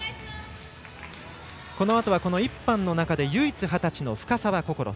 このあとは１班の中で唯一はたちの深沢こころ。